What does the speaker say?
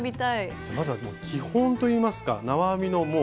じゃあまずはもう基本といいますか縄編みのもう。